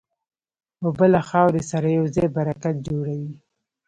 اوبه له خاورې سره یوځای برکت جوړوي.